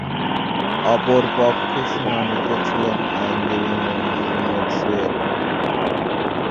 অপরপক্ষে শুনানিতে ছিলেন আইনজীবী মনজিল মোরসেদ।